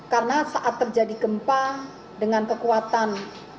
karena saat terjadi gempa dengan kekuatan enam